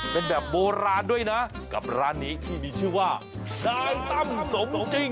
เป็นแบบโบราณด้วยนะกับร้านนี้ที่มีชื่อว่านายตั้มสมสมจริง